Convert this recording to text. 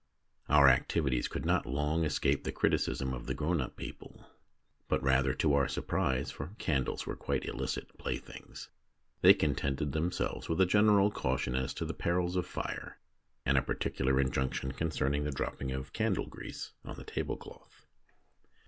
Our activities could not long escape the criticism of the grown up people ; but rather to our surprise, for candles were quite illicit playthings, they contented themselves with a general caution as to the perils of fire, and a particular injunction concerning the dropping of candle grease on the tablecloth.